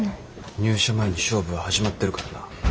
入社前に勝負は始まってるからな。